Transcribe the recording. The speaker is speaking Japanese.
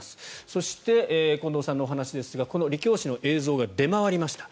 そして、近藤さんのお話ですがこのリ・キョウ氏の映像が出回りました。